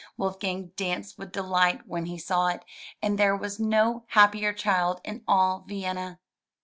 Wolfgang danced with delight when he saw it, and there was no happier child in all Vienna.